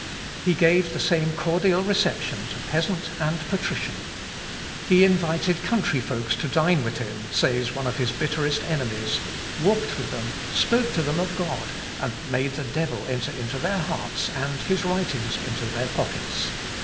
He gave the same cordial reception to peasant and patrician. "He invited country folks to dine with him," says one of his bitterest enemies, "walked with them, spoke to them of God, made the devil enter into their hearts and his writings into their pockets.